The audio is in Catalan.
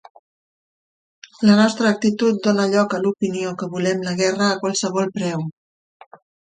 La nostra actitud dóna lloc a l'opinió que volem la guerra a qualsevol preu.